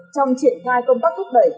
trong triển khai công tác thúc đẩy